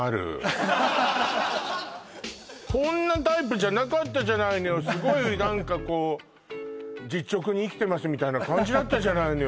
こんなタイプじゃなかったじゃないのよすごい何かこう実直に生きてますみたいな感じだったじゃないのよ